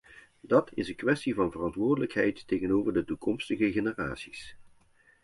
Dat is een kwestie van verantwoordelijkheid tegenover de toekomstige generaties.